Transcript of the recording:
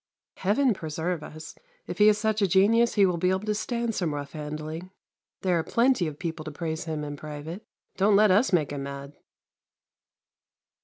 Heaven preserve us! If he is such a genius he will be able to stand some rough handling. There are plenty of people to praise him in private. Don't let us make him mad!